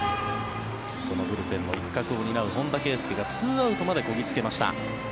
そのブルペンの一角を担う本田圭佑が２アウトまでこぎつけました。